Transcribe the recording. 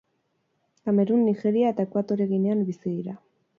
Kamerun, Nigeria eta Ekuatore Ginean bizi dira.